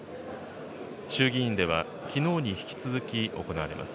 衆議院ではきのうに引き続き、行われます。